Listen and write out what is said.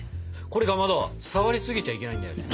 これかまど触りすぎちゃいけないんだよね。